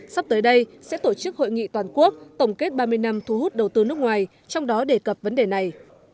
sắp tới đây sẽ tổ chức hội nghị toàn quốc tổng kết ba mươi năm thu hút đầu tư nước ngoài trong đó đề cập vấn đề này